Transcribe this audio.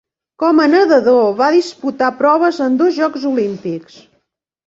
Com a nedador va disputar proves en dos Jocs Olímpics.